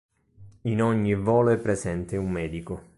In ogni volo è presente un medico.